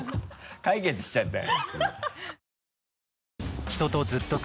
解決しちゃったよ。